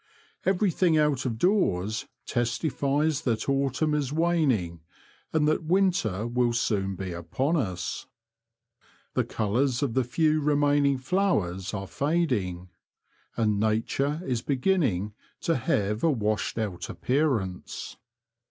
Everything out of doors testifies that autumn is waning, and that winter will soon be upon us. The colours of the few remaining flowers are fading, and nature is be ginning to have a washed out appearance.